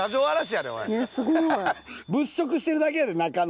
すごい。物色してるだけやで中の。